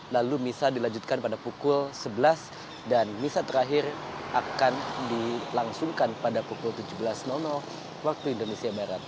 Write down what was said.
lalu misa dilanjutkan pada pukul sebelas dan misa terakhir akan dilangsungkan pada pukul tujuh belas waktu indonesia barat